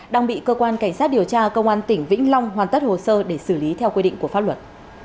đang bị cơ quan cảnh sát điều tra công an tỉnh vĩnh long hoàn tất hồ sơ để xử lý theo quy định của pháp luật